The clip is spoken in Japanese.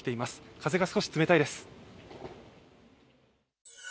風が少し冷たいです。